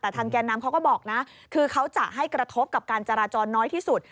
แต่ทางแก่นำเขาก็บอกนะคือเขาจะให้กระทบกับการจราจรน้อยที่สุด